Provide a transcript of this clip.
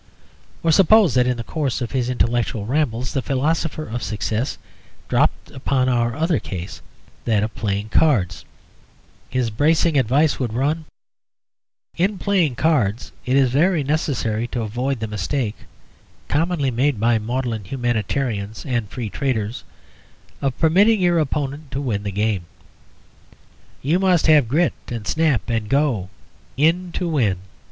Or suppose that in the course of his intellectual rambles the philosopher of Success dropped upon our other case, that of playing cards, his bracing advice would run "In playing cards it is very necessary to avoid the mistake (commonly made by maudlin humanitarians and Free Traders) of permitting your opponent to win the game. You must have grit and snap and go in to win.